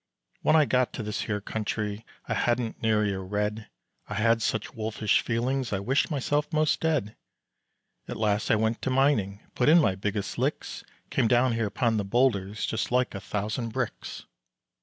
When I got to this here country I hadn't nary a red, I had such wolfish feelings I wished myself most dead. At last I went to mining, Put in my biggest licks, Came down upon the boulders Just like a thousand bricks.